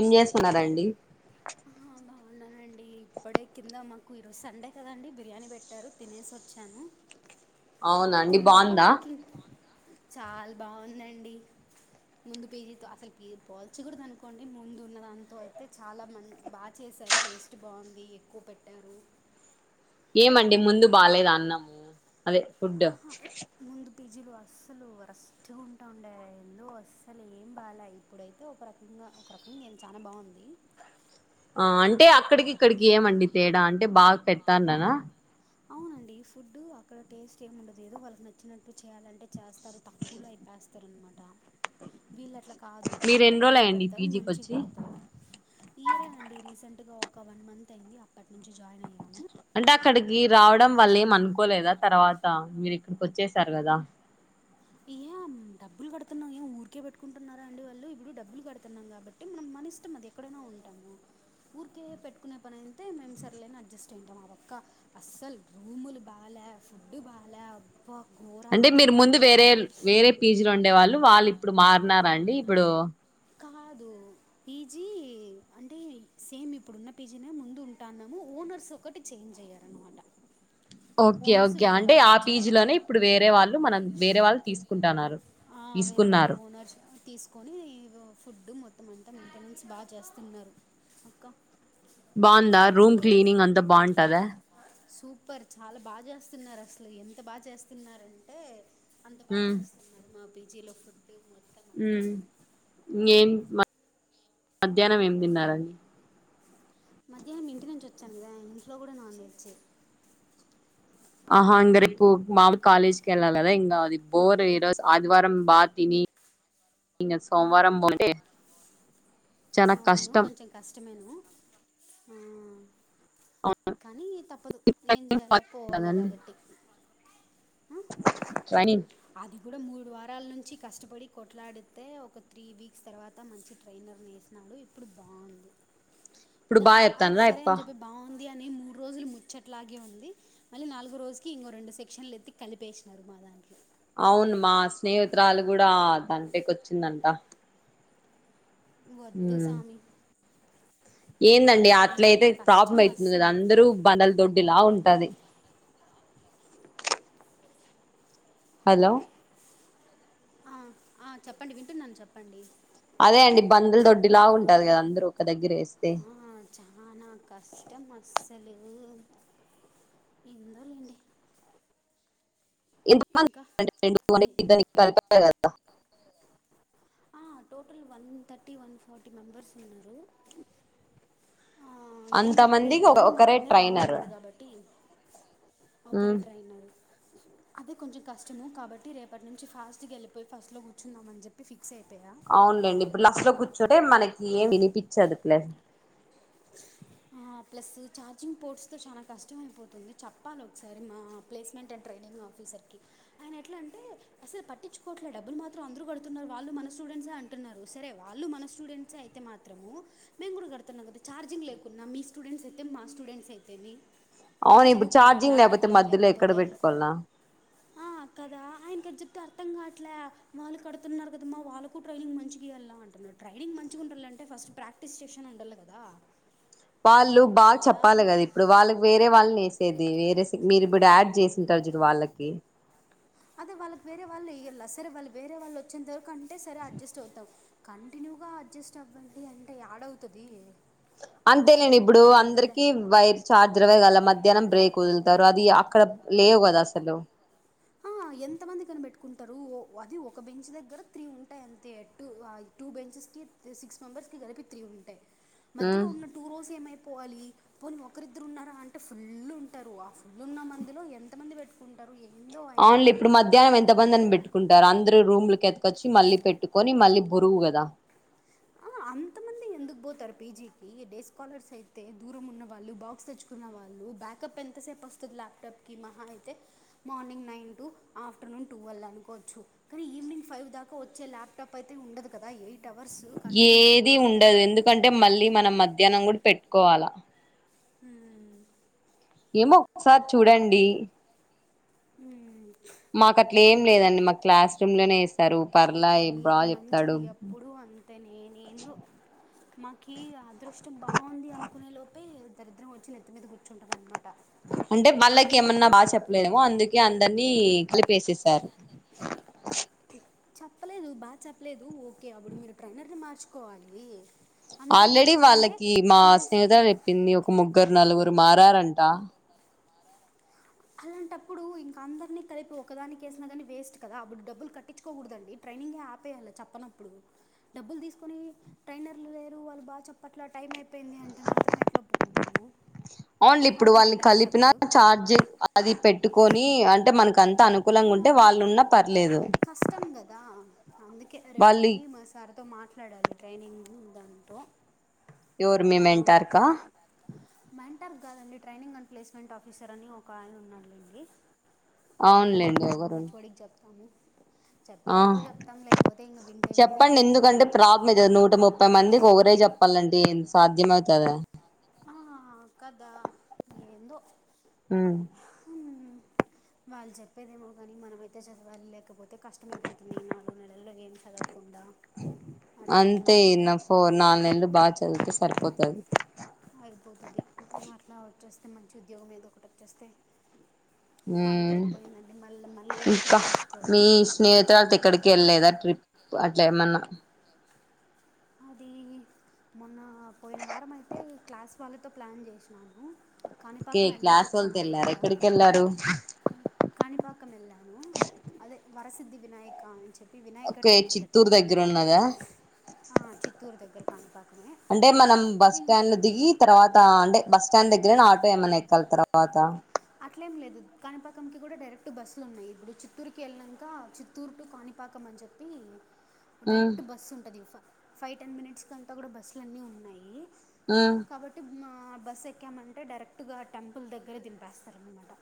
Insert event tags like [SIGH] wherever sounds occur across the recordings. ఏం చేస్తున్నారండి ఆ అవు [UNINTELLIGIBLE] ఉండనండి ఇప్పుడే కింద మాకు ఈరోజు సండే కదండి బిర్యానీ పెట్టారు తినేసొచ్చాను అవునా అండి తిన్నాక బాగుందా వాకింగ్ చాల్ బావుందండి ముందు పీ జీ తో అసలు పీ పోల్చకూడదు అనుకోండి ముందు ఉన్న దాంతో అయితే చాలా మన్ బా చేసారు టేస్ట్ బావుంది ఎక్కువ పెట్టారు ఏమండి ముందు బాలేదా అన్నము అదే ఫుడ్ ఆహా ముందు పీ జీ లో అస్సలు వరస్ట్ గుంటా ఉండే ఎందో అస్సలు ఏం బాలై ఇప్పుడైతే ఒక రకంగా ఒక రకంగా ఏం చానా బావుంది ఆ అంటే అక్కడికి ఇక్కడికి ఏం అండి తేడా అంటే బాగా పెడ్తాన్నారా అవునండి ఫుడ్డు అక్కడ టేస్ట్ ఏం ఉండదు ఏదో వాళ్ళకి నచ్చినట్టు చేయాలంటే చేస్తారు త కూలో అయిపేస్తారనమాట వీళ్ళు అట్ల కాదు మీరు ఎన్ని రోజులు కరెక్ట్గా అయ్యండి పెడతారు పీజీకి మంచిగా వచ్చి పెడతారు ఈ ఇయరే అండి రీసెంట్ గా ఒక వన్ మంత్ అయ్యింది అప్పటి నుంచి జాయిన్ అయ్యా అంటే అక్కడికి రావడం వల్ల ఏం అనుకోలేదా తర్వాత మీరు ఇక్కడికి వచ్చేసారు కదా ఇయాం డబ్బులు కడుతున్నాం ఏం ఊరికే పెట్టుకుంటున్నారా అండి వాళ్ళు ఇప్పుడు డబ్బులు కడుతున్నాం కాబ ట్టి మనం మన ఇష్టం అది ఎక్కడైనా ఉంటాము ఊరికే పెట్టుకునే పని అయితే మేం సరేలే అని అడ్జస్ట్ అయ్యుటాం ఆ ఒక్క అస్సలు రూములు బాలే ఫుడ్ బాలే అబ్బా అంటే ఘోరాతి మీరు ఘోరం ముందు వేరే వేరే పీ జీ లో ఉండే వాళ్ళు వాళ్ళు ఇప్పుడు మారినారా అండి ఇప్పుడు కాదు పీ జీ అంటే సేమ్ ఇప్పుడు ఉన్న పీ జీ నే ముందు ఉంటాన్నాము ఓనర్స్ క్కటి చేంజ్ అయ్యారు అనమాట ఓకే ఓకే అంటే ఆ పీ వచ్చారు జీ లోనే ఇప్పుడు వేరే వాళ్ళు మనం వేరే వాళ్ళు తీసుకుంటాన్నారు ఆ వేరే వాళ్ళు ఓనర్స్ తీస్ కొని ఓ ఫుడ్ మొత్తం అంతా మెయింటెనెన్స్ బా చేస్తున్నారు అక్క బావుందా రూమ్ క్లీనింగ్ అంతా బావుంటాదా సూపర్ చాలా బా చేస్తున్నారు అసలు ఎంత బా చేస్తున్నారంటే అంత బా ఉమ్. చేస్తున్నారు మా పీ జీ లో ఫుడ్డు మొ ఊ ఏం మ మధ్యానం ఏం తిన్నారండి మధ్యానం ఇంటి నుంచి వచ్చాను కదా ఇంట్లో కూడా నాన్ వెజ్జే ఆహా ఇంగ రేపు మామూ కాలేజ్ కి ఎళ్ళాలి కదా ఇంకా అది బోర్ ఈ రోజు ఆదివారం బా తిని ఇంగ సోమవారం పో [UNINTELLIGIBLE] అంటే అవును కొంచెం కష్టమేను ఆ కానీ తప్పదు ఏం చేయాల పోవాల కాబట్టి రాయనీ అది కూడా మూడు వారాల నుంచి కష్టపడి కొట్లాడితే ఒక త్రీ వీక్స్ తర్వా త మంచి ట్రైనర్ పి ఏసినాడు ఇప్పుడు బావుంది ఇప్పుడు దా బా ఆ అది చెప్తాన్రా సరే యప్ప అని చెప్పి బావుంది అని మూడు రోజులు ముచ్చట లాగే ఉంది మళ్ళీ నాలుగో రోజుకి ఇంగో రెండు సెక్షన్లు ఎత్తి కలిపేసినారు మా దాంట్లో అవును మా స్నేహితురాలు కూడా దంటేకి వచ్చిందంట వద్దు మ్ సామి ఏందండి అట్లయితే ప్రాబ్లమ్ కష్టం అవుతుంది కదా అస్సలు అందరూ బనల దొడ్డిలా ఉంటది హలో ఆ ఆ చెప్పండి వింటున్నాను చెప్పండి అదే అండి బందులు దొడ్డి లాగా ఉంటది కదా అందరు ఒక దగ్గర వేస్తే చాలా కష్టం అస్సలు ఎందో లేండి ఎ [INAUDIBLE] ఇంకా మీ ఆ టోటల్ వన్ తట్టి వన్ ఫార్టీ మెంబర్స్ ఉన్నారు ఆ ఏం అంత బాలేేదు మందికి కానీ మా ఒకరే ట్రైనర్ బాగానే ఉన్నాడు కాబట్టి ఒకరే ట్రైనరు అదే కొంచెం కష్టము కాబట్టి రేపటి నుంచి ఫాస్ట్గా వెళ్ళిపోయి ఫస్ట్లో కూర్చుందాం అని చెప్పి ఫిక్స్ అయిపోయా అవును లేండి ఇప్పుడు లాస్ట్లో కూర్చుంటే మనకి ఏం వినిపించదు ప్లస్ ఆ ప్లస్ ఛార్జింగ్ పోర్ట్స్తో చాలా కష్టం అయిపోతుంది చెప్పాలి ఒకసారి మా ప్లేస్మెంట్ అండ్ ట్రైనింగ్ ఆఫీసర్కి ఆయన ఎట్లా అంటే అసలు పట్టించుకోవట్లే డబ్బులు మాత్రం అందరు కడుతున్నారు వాళ్ళు మన స్టూడెంట్స్ ఏ అంటున్నారు సరే వాళ్ళు మన స్టూడెంట్స్ అయితే మాత్రం మాత్రము మేము కూడా కడుతున్నాం కదా ఛార్జింగ్ లేకున్నా మీ స్టూడెంట్స్ అయితే మా స్టూడెంట్స్ అయితే మీ ఎట్లా అవును ఇప్పుడు చదువుకుంటారు ఛార్జింగ్ లేకపోతే ల్యాప్టాప్లు ఏం మధ్యలో ఎక్కడ లేకపోతే పెట్టుకోవాలనా ఆ కదా ఆయన కద చెప్తే అర్థం కాట్లే వాళ్ళు కడుతున్నారు కదమ్మా వాళ్ళకు ట్రైనింగ్ మంచిగాయాల అంటున్నాడు ర్రైనింగ్ మంచిగా ఉండాలంటే ఫస్ట్ ప్రాక్టీస్ సెక్షన్ ఉండాలి కదా వాళ్ళు బాగా ఆ, చెప్పాలి కదా ఇప్పుడు వాళ్ళకి వేరే వాళ్ళు లేసేది వేరే రెసి మీరు ఇప్పుడు యాడ్ చేసింటారు చూడు వాళ్ళకి అదే వాళ్ళ వేరే వాళ్ళుయ్యాలలా సరే వాళ్ళు వేరే వాళ్ళు వచ్చేంత వరకు అంటే సరే అజస్ట్ అవుతాం కంటిన్యూగా అడ్జస్ట్ అవ్వండి అంటే యాడవుతది అంతే నేను ఇప్పుడు అందరికి వై ఛార్జర్ అవ్యగల మధ్యాహ్నం బ్రేక్ వదులుతారు అది అక్కడ లేవు కదా అసలు ఎంతమంది కనిపెట్టుకుంటారు ఓ అది ఒక బెంచ్ దగ్గర త్రీ ఉంటాయి అంతే ఎ టూ టూ బెంచెస్కి సిక్స్ మెంబెర్స్కి కలిపి త్రీ ఉంటాయి మధ్యలో ఉన్న టూ రోస్ ఏమైపోవాలి పోనీ ఒకరిద్దరు ఉన్నారా అంటే ఫుల్ ఉంటారు ఆ ఫుల్ ఉన్న మందిలో ఎంతమంది పెట్టుకుంటారు ఏందో ఆయన అవునులే ఇప్పుడు మధ్యాహ్నం ఎంత రేపు మంది అని పెట్టు కుంటారు అందరు రూమ్లు కి ఎతకొచ్చి మళ్ళీ పెట్టుకొని మళ్ళీ బురువు కదా ఆ అంతమంది ఎందుకు పోతారు పీజీకి డేసు స్కాలర్స్ అయితే దూరం ఉన్న వాళ్ళు బాక్స్ తెచ్చు కున్న వాళ్ళు బ్యాకప్ ఎంతసేపు వస్తుంది ల్యాప్టాప్కి మహా అయితే morning nine to afternoon twelve అనుకోవచ్చు కానీ ఈవినింగ్ ఫైవ్ దాకా వచ్చే ల్యాప్టాప్ అయితే ఉండదు కదా ఎయిట్ అవర్స్ కంటిన్యూగా ఏది ఉండదు ఎందుకంటే మళ్ళీ మనం మధ్యాహ్నం కూడా పెట్టుకోవాలా ఉమ్ ఏమో ఒక సారి చూడండి మ్మ్. మాకు అట్లా ఏం లేదండి మాకు క్లాస్ రూమ్ లోనే ఇస్తారు పర్లా బాగా చెప్తాడు నేను ఏందో మాకి అదృష్టం బాగుంది అనుకునే లోపే దరిద్రం వచ్చి నెత్తు మీద కూర్చుంటుంది అనమాట అంటే వాళ్ళకి ఏమన్నా బాగా చెప్పలేదేమో అందుకే అందరినీ కలిపేసేసారు చెప్పలేదు బాగా చెప్పలేదు ఓకే అప్పుడు మీరు ట్రైనర్ని మార్చుకోవాలి అంతేగాని ఆల్రెడీ లేదంటే వాళ్ళకి మా సిఎస్సి స్నేహత చెప్పింది ఒక ముగ్గురు నలుగురు మారారంట అలాంటప్పుడు ఇంక అందరినీ కలిపి ఒకదానికి వేసినా కాని వేస్ట్ కదా అప్పుడు డబ్బులు కట్టించుకోకూడదండి ట్రైనింగే ఆపేయాల చెప్పనప్పుడు డబ్బులు తీసుకొని ట్రైనర్లు లేరు వాళ్ళు బాగా చెప్పట్ల టైం అయిపోయింది అంటే మాత్రం ఎట్లా ఒప్పుకుంటాము ఓన్లీ హౌ ఇప్పుడు వి వాళ్ళని విల్ కలిపిన యాక్సెప్ట్ చార్జ్ అది పెట్టుకొని అంటే మనకు అంత అను ఆ కష్టం కదా అందుకే వాళ్ళు రేపోయి మ సార్ తో మాట్లాడాలి ట్రైనింగ్ దాంతో ఎవర్ మీ మెంటారు క మంటార్క్ కాదండి ట్రైనింగ్ అండ్ ప్లేస్మెంట్ ఆఫీసర్ అని ఒక ఆయన ఉన్నాడులేండి ఆయనకు పోయి అవునులేండి చెప్తాము ఎవరు హెఓం డికి చెప్తాము చెప్పే వరకు ఆ చెప్తాం లేకపోతే ఇంక వింటే విని పోతే పోని మీద నూట ముప్పై మందికి ఒకరే చెప్పాలంటే సాధ్యం అవుతదా ఆ కదా ఏందో హ హమ్ వాళ్ళు చెప్పేదేమో కానీ మనమయితే చదవాలి లేకపోతే కష్టమ అయిపోతుంది ఈ నాలుగు నెలల్లో ఏం చదవు కుండా అంతే నా ఫో నాలుగు నెలలు బాగా చదివితే సరిపోతది అ యిపోతది అట్లా వచ్చేస్తే మంచి ఉద్యోగం ఏదొ ఒకటి వచ్చేస్తే ఆడికి అయిపోయిందండి మళ్ళీ మళ్ళీ ఏదో ఇంకా ఒకటి మీ చూసుకోవచ్చు స్నేహితురలతో ఎక్కడికి వెళ్ళలేదా ట్రిప్ అట్లే ఏమన్నా అది మొన్న పోయిన వారం అయితే ఈ క్లాస్ వాళ్ళతో ప్లాన్ చేసినాను ఓకే కాణిపాకం వెళ్ళసి క్లాస్ వాళ్ళతో వెళ్ళారా వచ్చానామన్నమాట ఎక్కడికి వెళ్ళారు కాణిపాకం యల్లనూ అదే వరసిద్ధి వినయక్ కా ఆని చెప్పి వినాయక టెంపుల్ అది వున్నదా ఆ చిత్తూరు దగ్గర కానీపకం అంటే మనం బస్ మే ఇ స్టాండ్ దిగి తర్వాత అంటే బస్ స్టాండ్ దగ్గరైనా ఆటో ఏమైన్నా ఎక్కాల తర్వాత అట్లేం లేదు కాణపకంకి కూడా డైరెక్ట్ బస్సులు ఉన్నాయి ఇప్పుడు చిత్తూరుకి వెళ్ళాక చి టూర్ టు కాణిపాకం అని చెప్పి మ్మ్ డైరెక్ట్ బస్ ఉంటుంది ఫైవ్ టెన్ మినిట్స్ కంతా కూడా బస్సులున్నీ ఉన్నాయి ఉ కాబట్టి మా బస్సు ఎక్కామంటే డైరెక్టుగా టెంపుల్ దగ్గరే దింపేస్తాము అనమాట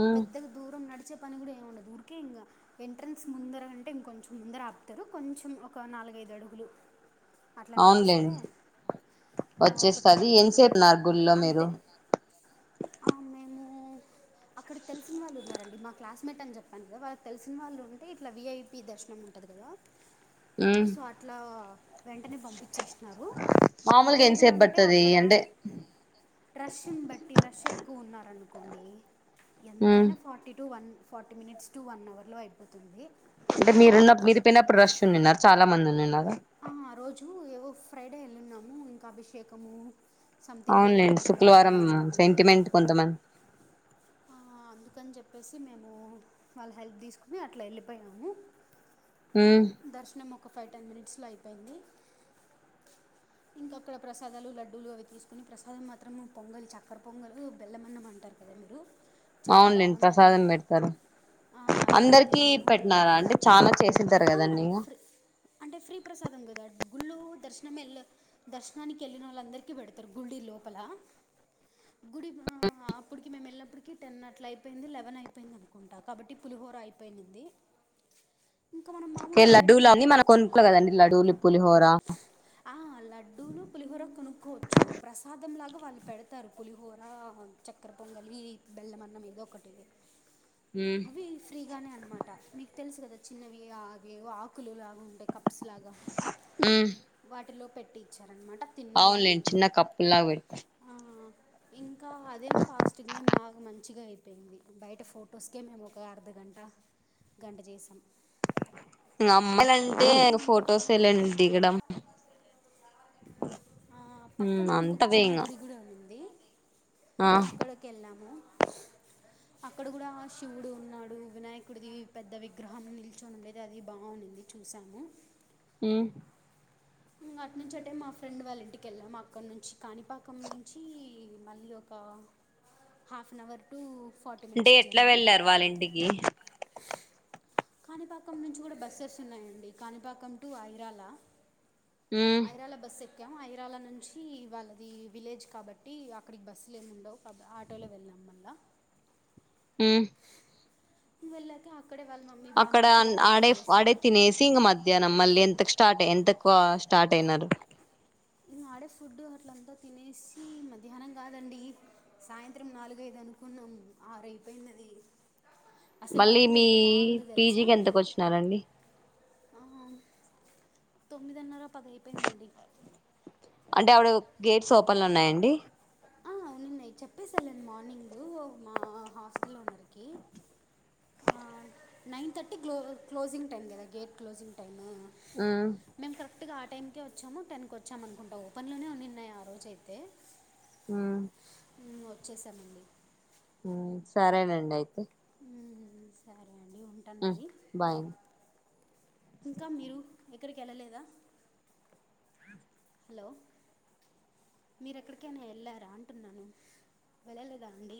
మ్మ్ పెద్దగా దూరం నడిచే పని కూడా ఏమి ఉండదు ఊరికే ఇంకా ఎంట్రన్స్ ముందర అంటే ఇంకొంచెం ముందర ఆపుతారు కొంచెం ఒక నాలుగైదు అడుగులు అట్లా నడిస్తే అవునులేండి ఆ ఒక వచ్చేస్తది టర్నింగ్ ఎంతసేపు అట్లాగని ఉన్నారు గుళ్లో మీరు అంతే ఆ మేము అక్కడ తెలిసిన వాళ్ళు ఉన్నారండి మా క్లాస్మేట్ అని చెప్పాను కదా వాళ్ళ తెలిసిన వాళ్ళు ఉంటే ఇట్ల విఐపీ దర్శనం అది కదా సో అట్లా వెంటనే పంపించేసినారు మామూలుగా లేదు ఎంతసేపు అంటే పడుతది అక్కడ అంటే రష్ ని బట్టి రష్ ఎక్కువ ఉన్నారనుకోండి ఎంతైనా forty to one forty minutes to one hour లో అయిపోతుంది అంటే మీరున్న మీరు పోయినప్పుడు రష్ ఉన్నినరా చాలా మంది ఉనిన్నారా ఆ ఆ రోజు ఏవో ఫ్రైడే వెళ్ళున్నాము ఇంకా అభిషేకము సంథింగ్ వేరేవో అవునులేండి జరుగుతాయి శుక్రవారం అంటంటే సెంటిమెంట్ కొంతమంది ఆ అందుకని చెప్పేసి మేము వాళ్ళ హెల్ప్ తీసుకుని అట్లా వెళ్ళిపోయినాము ఉ దర్శనం ఒక ఫైవ్ టెన్ మినిట్స్ లో అయిపోయింది ఇంకా అక్కడ ప్రసాదాలు లడ్డూలు అవి తీసుకుని ప్రసాదం మాత్రం పొంగలి చక్కర పొంగలు బెల్లమన్నం అంటారు రెండు అవునులెండి ప్రసాదం పెడతారు అది బాగా అందరికి తిన్నాను పు- పెట్టినారా అండి చానా చేసింటారు ఆ, కదండి ఫ్రీ అంటే ఫ్రీ ప్రసాదం కదా గుళ్ళు దర్శనం వెళ్ దర్శనానికి వెళ్ళిన్నోళ్ల అందరికి పెడతారు గుడి లోపల గుడి హ ఇప్పుడుకి మేము వెళ్ళేప్పటికి టెన్ అట్లా అయిపొయింది లెవెన్ అయిపొయింది అనుకుంట కాబ్బటి పులిహోర అయిపొయింది [INAUDIBLE] ఏ లడూలు అని మన కొనుక్కు కదండి లడ్డూలు పూలిహోరా [INAUDIBLE] ఆ లడ్డూలు పులిహోర కొనుక్కోవచ్చు ప్రసాదంలాగా వాళ్ళు పెడతారు పులిహోర చక్కర పొంగలి, బెల్లమన్నం ఏదో ఒకటి మ్మ్ అవి ఫ్రీగానే అనమాట మీకు తెలుసు కదా చిన్నవి అవి ఎవో ఆకులు లాగా ఉండే కప్స్ లాగా ఉ వాటిలో పెట్టి ఇచ్చారనమాట తిన్నాము అవునులేండి చిన్న కప్పుల్లాగా పెడతారు ఆ ఇంకా అదేం పాస్టింగ్ ఏం బాగా మంచిగా అయిపోయింది బయట ఫొటోస్ అందుకే మేము ఒక అర్ధగంట గంట చేసాం ఇంకా అమ్మాలంటే పక్కన ఇంగ ఫోటో ఇంకొక ఆ పక్కన మ్మ్ ఇంకొక అంతవే చిన్న ఇంగ గుడి కు గుడి కూడ ఉంది ఆ అక్కడికి వెళ్ళాము అక్కడ కూడా శివుడు ఉన్నాడు వినాయకుడిది పెద్ద విగ్రహం నిల్చొని ఉండేది అది బాగుంది చూసాము ఉ ఇంగ అటు నుంచి అటే మా ఫ్రెండ్ వాళ్ళ ఇంటికి వెళ్ళాం అక్కడి నుంచి కాణిపాకం నుంచి మళ్ళీ ఒక కా half an hour to forty అంటే మినిట్స్ ఎట్లా జర్నీ వెళ్లారు వాళ్ ఇంటికి కాణిపాకం నుంచి కూడా బస్సెస్ ఉన్నాయండి కాణిపాకం టు ఐరాల మ్మ్ ఐరాల బస్సు ఎక్కాము ఐరాల నుంచి వాళ్ళది విలేజ్ కాబట్టి అక్కడికి బస్సులు ఏమి ఉండవు పబ్ ఆటోలో వెళ్ళాం మళ్ళా ఉ వెళ్ళాక అక్కడే వాళ్ళ మమ్మీ బాగా మంచిగా అక్కడన్ వంటలు ఆడే ఆడే చేసింది తినేసి ఇంగ మధ్ మధ్యాహ్నం మళ్ళీ ఎంతకు స్టార్ట్ ఎంతకు స్టార్ట్ అయినారు ఇంకా ఆడే ఫుడ్ అట్లా అంతా తినేసి మధ్యాహ్నం కాదండి సాయంత్రం నాలుగైదు అనుకున్నాం ఆరయిపోయినది అసలు మళ్ళీ వల్లూరు మీ ఎంత బాగుందో తెలుసా పీజీకి ఎంతకు వచ్చినారండి ఆ తొమ్మిదిన్నర పదయిపోయిందండి అంటే ఆడు గేట్స్ ఓపన్లు ఉన్నాయండి ఆ నిన్న చెప్పేసనండి మార్నింగ్ మా హాస్టల్లో ఉన్నలకి నైన్ థర్టీ క్లో క్లోసింగ్ టైమ్ కదా గేట్ క్లోసింగ్ టైమ్ ఆ మేము కరెక్ట్గా ఆ టైం కే వచ్చాము టెన్ కి వచ్చాము అనుకుంటాం ఓపెన్లోనే ఉన్నిన్నాయి ఆ రోజు అయితే మ్మ్ ఇంగ వచ్చేసామండి మ్మ్ సరేనండి అయితే మ్మ్ సరే అండి ఉంటాను హ్మ్ మరి బాయ్ ఇంకా మీరు ఎక్కడికి వెళ్ళలేదా హలో మీరెక్కడికైనా వెళ్ళారా అంటున్నాను వెళ్ళలేదా అండి